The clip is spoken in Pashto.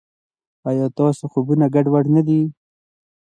ایا ستاسو خوبونه ګډوډ نه دي؟